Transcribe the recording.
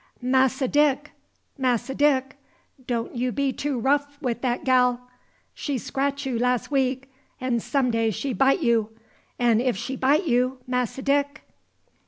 "Masse Dick! Masse Dick! don' you be too rough wi' dat gal! She scratch you las' week, 'n' some day she bite you; 'n' if she bite you, Masse Dick!"